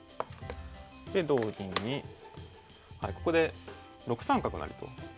で同銀にここで６三角成と。